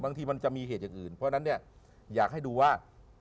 บางทีมันจะมีเหตุอย่างอื่นเพราะฉะนั้นเนี่ยอยากให้ดูว่า